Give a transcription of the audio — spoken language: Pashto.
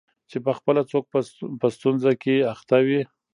چي پخپله څوک په ستونزه کي اخته وي